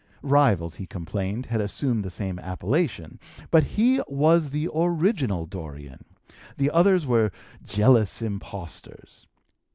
Rivals, he complained, had assumed the same appellation, but he was the original Dorian; the others were jealous impostors.